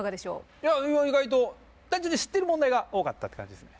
いや意外と単純に知ってる問題が多かったって感じですね。